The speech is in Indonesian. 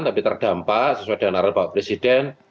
tapi terdampak sesuai dengan arah bapak presiden